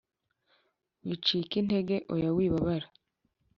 Wicika intege, oya wibabara